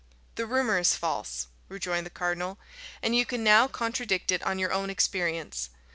"The rumour is false," rejoined the cardinal, "and you can now contradict it on your own experience.